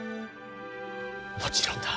もちろんだ。